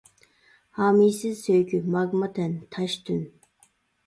ھامىيسىز سۆيگۈ، ماگما تەن، تاش تۈن.